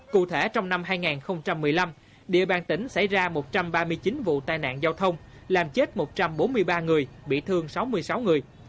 cụ thể trong năm hai nghìn một mươi năm địa bàn tỉnh xảy ra một trăm ba mươi chín vụ tai nạn giao thông làm chết một trăm bốn mươi ba người bị thương sáu mươi sáu người